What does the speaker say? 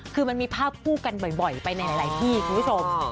คือมันมีภาพคู่กันบ่อยไปในหลายที่คุณผู้ชม